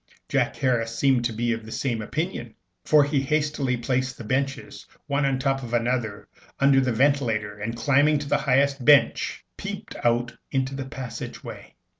Jack Harris seemed to be of the same opinion, for he hastily placed the benches one on the top of another under the ventilator, and, climbing up on the highest bench, peeped out into the passage way.